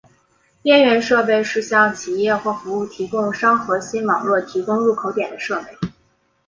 边缘设备是向企业或服务提供商核心网络提供入口点的设备。